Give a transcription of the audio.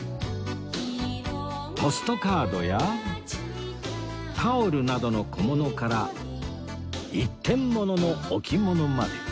ポストカードやタオルなどの小物から一点ものの置物まで